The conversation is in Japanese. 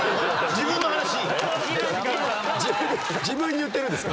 自分自分に言ってるんですか？